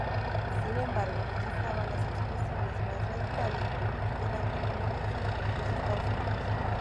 Sin embargo, rechazaba las expresiones más radicales del anticomunismo en los Estados Unidos.